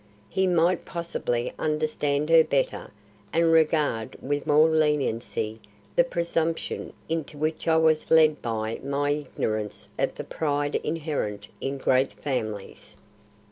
He might possibly understand her better and regard with more leniency the presumption into which I was led by my ignorance of the pride inherent in great families."